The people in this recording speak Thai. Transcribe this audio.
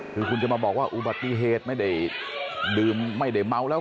คือคุณจะมาบอกว่าอุบัติเหตุไม่ได้ดื่มไม่ได้เมาแล้ว